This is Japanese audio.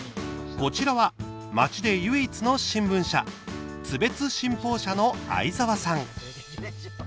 こちらは、町で唯一の新聞社津別新報社の相沢さん。